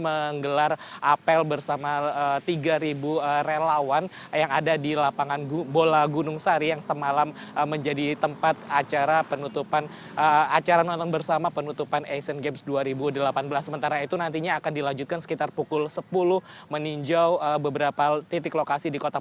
ini merupakan bagian dari trauma healing yang diberikan oleh presiden jokowi dodo